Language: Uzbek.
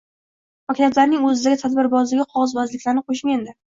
Maktablarning o‘zidagi tadbirbozligu qog‘ozbozliklarni qo‘shing endi.